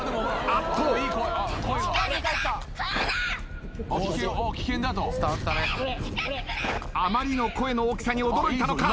あまりの声の大きさに驚いたのか。